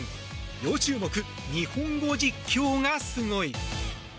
要注目、日本語実況がスゴイ！